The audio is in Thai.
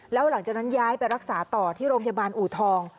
แล้วหลังจากนั้นย้ายไปรักษาต่อที่โรงพยาบาลอูทอง